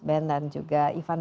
ben dan juga ivan